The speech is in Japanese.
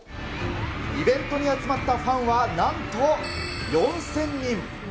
イベントに集まったファンはなんと４０００人。